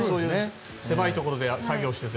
狭いところで作業していて。